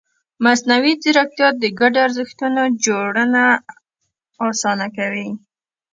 مصنوعي ځیرکتیا د ګډو ارزښتونو جوړونه اسانه کوي.